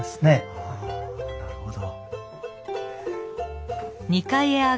はあなるほど。